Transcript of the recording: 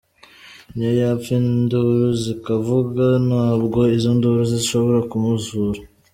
Niyo yapfa induru zikavuga ntabwo izo nduru zishobora kumuzura !